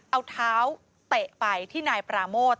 เอาเท้าเตะไปที่นายปราโมท